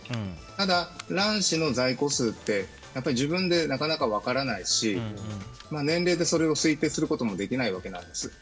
ただ、卵子の在庫数って自分でなかなか分からないし年齢でそれを推定することもできないわけなんです。